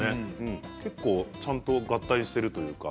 結構ちゃんと合体しているというか。